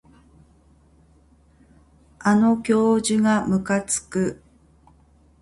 あの教授がむかつく